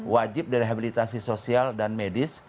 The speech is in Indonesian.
wajib direhabilitasi sosial dan medis